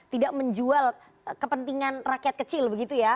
tidak menjual kepentingan rakyat kecil begitu ya